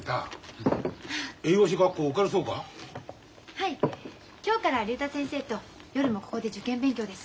はい今日から竜太先生と夜もここで受験勉強です。